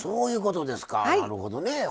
なるほどねえ。